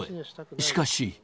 しかし。